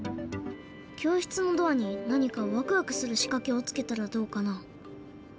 教室のドアに何かワクワクするしかけをつけたらどうかな？